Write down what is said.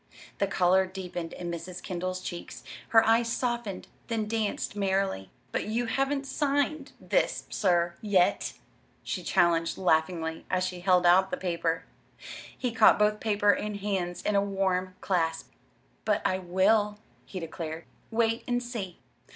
The color deepened in Mrs. Kendall's cheeks. Her eyes softened, then danced merrily. "But you haven't signed this, sir, yet!" she challenged laughingly, as she held out the paper. He caught both paper and hands in a warm clasp. "But I will," he declared. "Wait and see!"